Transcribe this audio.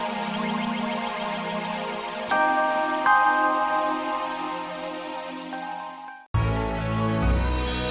teganya teganya teganya